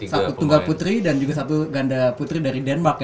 satu tunggal putri dan juga satu ganda putri dari denmark ya